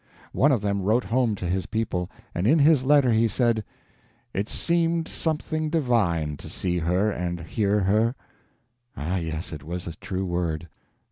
One of them wrote home to his people, and in his letter he said, "It seemed something divine to see her and hear her." Ah, yes, and it was a true word.